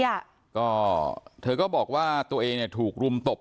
มันเลยไม่จบซักทีอ่ะก็เธอก็บอกว่าตัวเองเนี้ยถูกรุมตบ